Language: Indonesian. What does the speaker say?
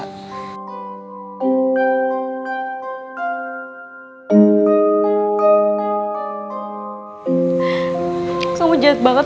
kau jahat banget